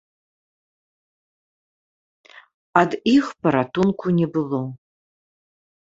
Ад іх паратунку не было.